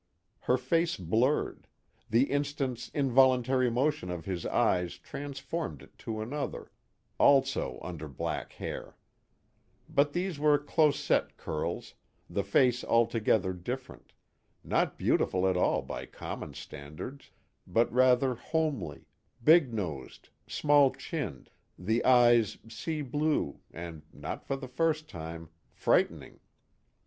Her face blurred; the instant's involuntary motion of his eyes transformed it to another, also under black hair: but these were close set curls, the face altogether different, not beautiful at all by common standards but rather homely, big nosed, small chinned, the eyes sea blue and, not for the first time, frightening.